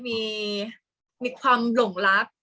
กากตัวทำอะไรบ้างอยู่ตรงนี้คนเดียว